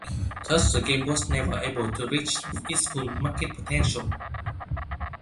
Thus the game was never able to reach its full market potential.